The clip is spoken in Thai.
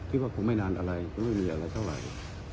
ว่าคงไม่นานอะไรคงไม่มีอะไรเท่าไหร่